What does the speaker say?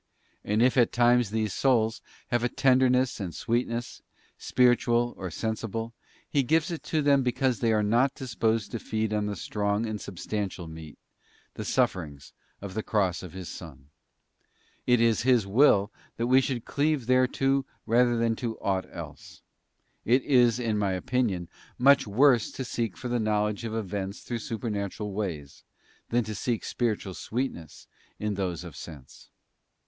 And if at times these souls have a * 1 Kings viii, 7. j ; 7 oe) sie —~ ES EE a ne i lal é GOSPEL SUFFICIENT FOR GUIDANCE. 149 tenderness and sweetness, spiritual or sensible, He gives it them because they are not disposed to feed on the strong and substantial meat, the sufferings of the Cross of His Son. It is His will that we should cleave thereto rather than to aught else. It is, in my opinion, much worse to seek for the know ledge of events through supernatural ways, than to seek spiritual sweetness in those of sense.